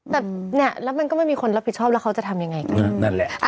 แต่เนี่ยแล้วมันก็ไม่มีคนรับผิดชอบแล้วเขาจะทำยังไงกันนั่นแหละ